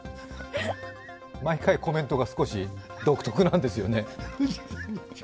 毎回コメントが少し独特なんですよね。